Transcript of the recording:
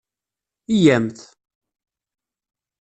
Yya-mt!